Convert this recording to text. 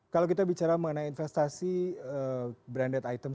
kalau kita bicara mengenai investasi branded item